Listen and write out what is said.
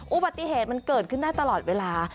อุบัติเหตุมันเกิดขึ้นได้ตลอดเวลา